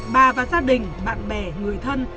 bà và gia đình bạn bè người thân